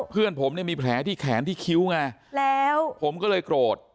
เพื่อนผมเนี่ยมีแผลที่แขนที่คิ้วไงแล้วผมก็เลยโกรธ